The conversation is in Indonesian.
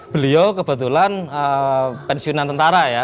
beliau kebetulan pensiunan tentara ya